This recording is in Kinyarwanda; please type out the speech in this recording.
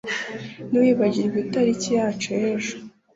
Ntiwibagirwe itariki yacu ejo